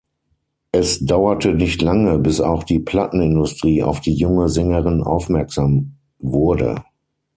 Es dauerte nicht lange, bis auch die Plattenindustrie auf die junge Sängerin aufmerksam wurde.